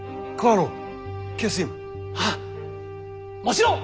もちろん！